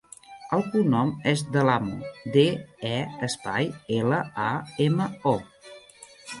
El cognom és De Lamo: de, e, espai, ela, a, ema, o.